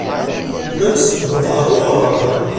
Llant senndent ɣer weɣrab.